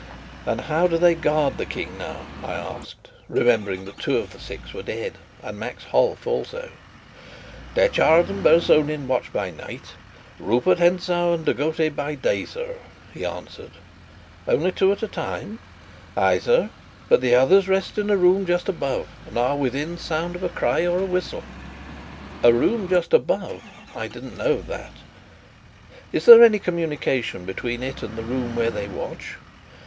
"And how do they guard the King now?" I asked, remembering that two of the Six were dead, and Max Holf also. "Detchard and Bersonin watch by night, Rupert Hentzau and De Gautet by day, sir," he answered. "Only two at a time?" "Ay, sir; but the others rest in a room just above, and are within sound of a cry or a whistle." "A room just above? I didn't know of that. Is there any communication between it and the room where they watch?"